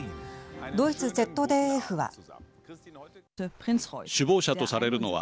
ドイツＺＤＦは。